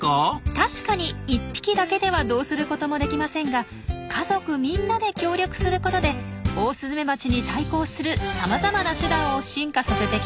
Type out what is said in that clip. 確かに１匹だけではどうすることもできませんが家族みんなで協力することでオオスズメバチに対抗するさまざまな手段を進化させてきたんです。